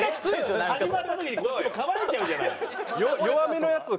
始まった時にこっちもかまれちゃうじゃない。